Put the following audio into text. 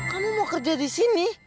kamu mau kerja di sini